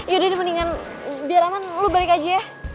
ya udah udah mendingan biar raman lo balik aja ya